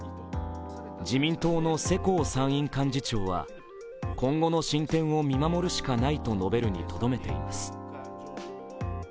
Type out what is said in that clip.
自民党の世耕参院幹事長は今後の進展を見守るしかないと述べるにとどめています。